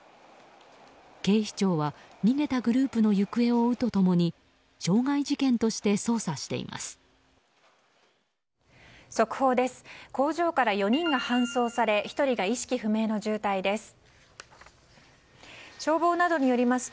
警視庁は逃げたグループの行方を追うと共に傷害事件として捜査しています。